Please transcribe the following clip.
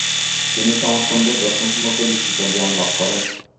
তিনি সমাজতন্ত্রের দর্শন সম্পর্কে বিস্তৃত জ্ঞান লাভ করেন।